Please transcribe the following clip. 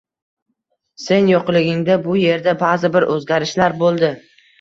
Sen yo`qligingda bu erda ba`zi-bir o`zgarishlar bo`ldi